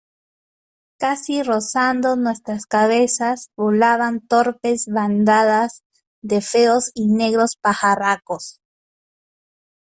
casi rozando nuestras cabezas, volaban torpes bandadas de feos y negros pajarracos.